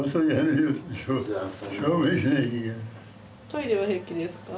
トイレは平気ですか？